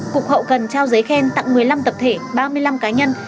cục hậu cần trao giấy khen tặng một mươi năm tập thể ba mươi năm cá nhân